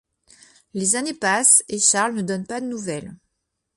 Les années passent et Charles ne donne pas de nouvelles.